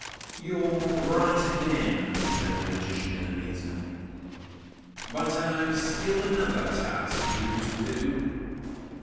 'You're right again,' said the Magician in amazement; 'but I've still another task for you to do.